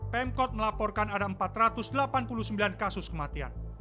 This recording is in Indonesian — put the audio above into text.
pemkot melaporkan ada empat ratus delapan puluh sembilan kasus kematian